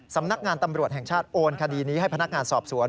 สำนักงานตำรวจแห่งชาติโอนคดีนี้ให้พนักงานสอบสวน